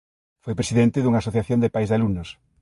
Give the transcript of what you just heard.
Foi presidente dunha asociación de pais de alumnos.